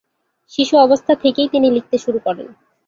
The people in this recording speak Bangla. শিশু অবস্থা থেকেই তিনি লিখতে শুরু করেন।